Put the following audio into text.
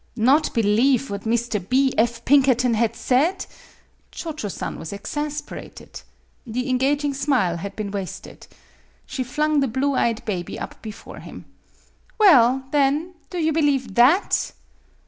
Not believe what Mr. B. F. Pinkerton had said! Cho Cho San was exasperated. The en gaging smile had been wasted. She flung the blue eyed baby up before him. " Well, then, do you believe that?"